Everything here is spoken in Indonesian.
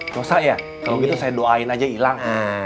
dosa ya kalau gitu saya doain aja ilang